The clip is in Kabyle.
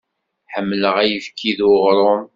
Ḥemmleɣ ayefki d uɣrum.